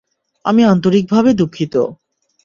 আমি আন্তরিকভাবে দুঃখিত!